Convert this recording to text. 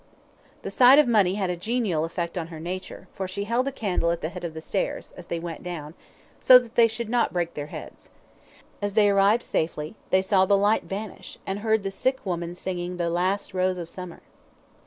The sight of money had a genial effect on her nature, for she held the candle at the head of the stairs, as they went down, so that they should not break their heads. As they arrived safely, they saw the light vanish, and heard the sick woman singing, "The Last Rose of Summer."